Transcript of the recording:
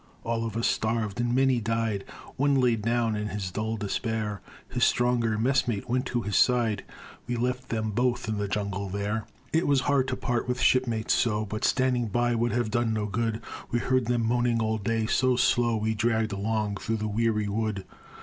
All of us starved, and many died. One laid down, in his dull despair; His stronger messmate went to his side We left them both in the jungle there. It was hard to part with shipmates so; But standing by would have done no good. We heard them moaning all day, so slow We dragged along through the weary wood.